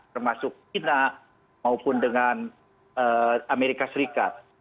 termasuk china maupun dengan amerika serikat